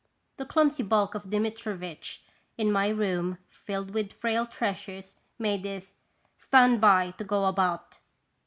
The clumsy bulk of Dmitrivitch, in my room filled with frail treasures, made his " Stand by to go about!